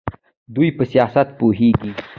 دوی په سیاست پوهیږي.